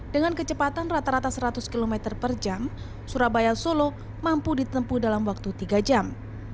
dengan kecepatan rata rata seratus km per jam surabaya solo mampu ditempuh dalam waktu tiga jam